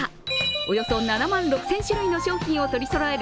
およそ７万６０００種類の商品を取りそろえる